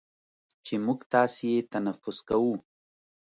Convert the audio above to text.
چې موږ تاسې یې تنفس کوو،